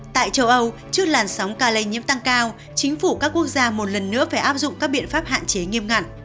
tại châu âu trước làn sóng ca lây nhiễm tăng cao chính phủ các quốc gia một lần nữa phải áp dụng các biện pháp hạn chế nghiêm ngặt